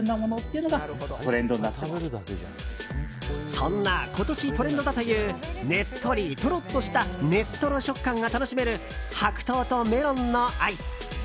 そんな、今年トレンドだというねっとり、とろっとしたねっとろ食感が楽しめる白桃とメロンのアイス。